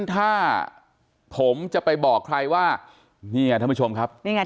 ถ้าผมจะไปบอกใครว่านี่คุณผู้ชมค่ะ